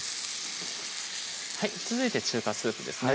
続いて中華スープですね